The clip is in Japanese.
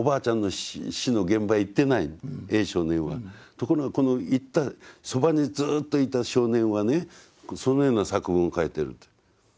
ところがこの行ったそばにずっといた少年はねそのような作文を書いてると。ね。